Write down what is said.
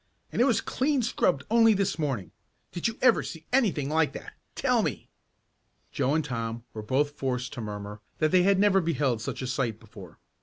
And it was clean scrubbed only this morning! Did you ever see anything like that? Tell me!" Joe and Tom were both forced to murmur that they had never beheld such a sight before.